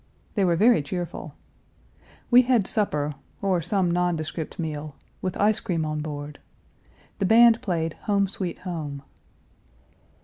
They were very cheerful. We had supper or some nondescript meal with ice cream on board. The band played Home, Sweet Home.